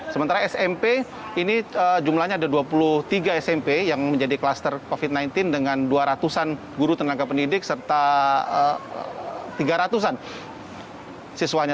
sementara smp ini jumlahnya ada dua puluh tiga smp yang menjadi kluster covid sembilan belas dengan dua ratus an guru tenaga pendidik serta tiga ratus an siswanya